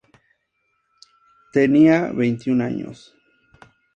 Tenía veintiún años.